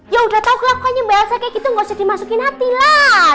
ya udah tau kelakunya mbak elsa kayak gitu gak usah dimasukin hati lah